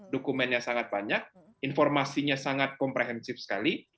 dokumennya sangat banyak informasinya sangat komprehensif sekali